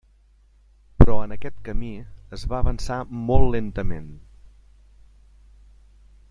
Però en aquest camí es va avançar molt lentament.